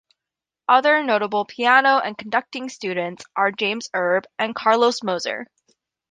Other notable piano and conducting students are James Erb and Karlos Moser.